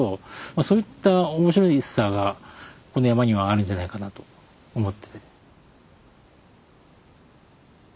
そういった面白さがこの山にはあるんじゃないかなと思って。